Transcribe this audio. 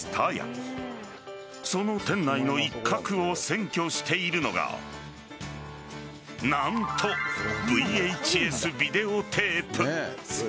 その店内の一角を占拠しているのが何と、ＶＨＳビデオテープ。